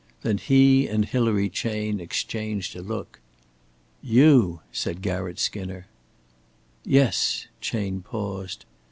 Then he and Hilary Chayne exchanged a look. "You?" said Garratt Skinner. "Yes " Chayne paused.